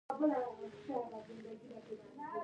دا کلینک د فلسطین د یو بنسټ له خوا چلول کیږي.